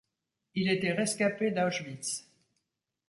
Il était rescapé d'Auschwitz.